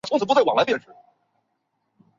伦理审查委员会